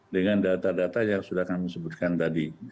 dengan data data yang sudah kami sebutkan tadi